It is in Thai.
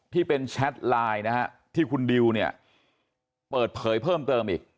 ที่เป็นแชทไลน์นะฮะที่คุณดิวเนี่ยเปิดเผยเพิ่มเติมอีก